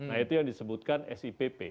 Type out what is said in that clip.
nah itu yang disebutkan sipp